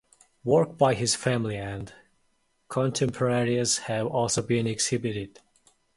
Work by his family and contemporaries have also been exhibited.